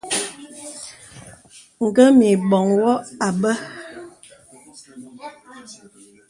Ǹgə mə ìbɔŋ wɔ àbə.